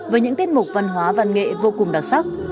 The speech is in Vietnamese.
với những tiết mục văn hóa văn nghệ vô cùng đặc sắc